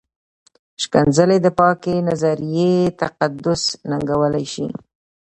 ښکنځلې د پاکې نظریې تقدس ننګولی شي.